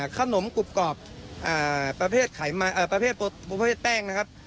ขนมกรุบกรอบอ่าประเภทไขมายเอ่อประเภทประเภทแป้งนะครับ